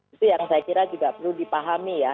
itu yang saya kira juga perlu dipahami ya